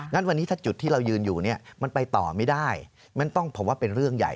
งั้นวันนี้ถ้าจุดที่เรายืนอยู่เนี่ยมันไปต่อไม่ได้มันต้องผมว่าเป็นเรื่องใหญ่